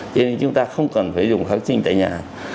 thế nên chúng ta không cần phải dùng kháng sinh tại nhà